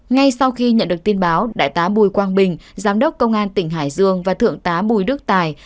ngay sau khi nhận được tin báo đại tá bùi quang bình giám đốc công an tỉnh hải dương và thượng tá bùi đức tài